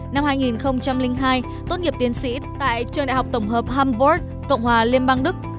năm hai nghìn hai tốt nghiệp tiến sĩ tại trường đại học tổng hợp hambod cộng hòa liên bang đức